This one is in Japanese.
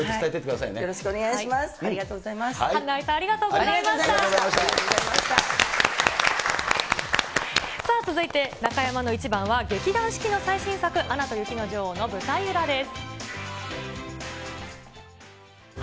さあ、続いて中山のイチバンは、劇団四季の最新作、アナと雪の女王の舞台裏です。